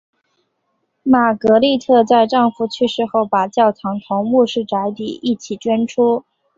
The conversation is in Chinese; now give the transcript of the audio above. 玛格丽特在丈夫去世后把教堂同牧师宅邸一起捐出。